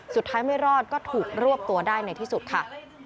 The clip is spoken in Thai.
สุดท้ายไม่รอดก็ถูกรวบตัวได้ในที่สุดค่ะ